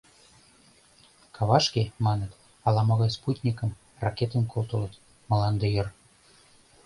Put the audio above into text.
Кавашке, маныт, ала-могай спутникым, ракетым колтылыт, мланде йыр...